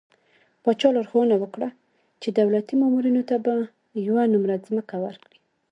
پاچا لارښوونه وکړه چې د دولتي مامورينو ته به يوه نمره ځمکه ورکړي .